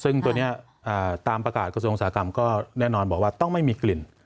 ซึ่งตัวนี้ตามประกาศกระทรวงอุตสาหกรรมก็แน่นอนบอกว่าต้องไม่มีกลิ่น